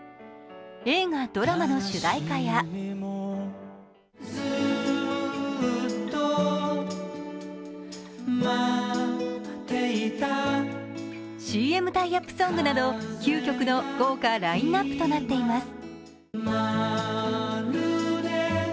映画、ドラマの主題歌やＣＭタイアップソングなど、９曲の豪華ラインナップとなっています。